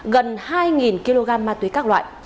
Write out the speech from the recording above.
gần hai kg ma túy các loại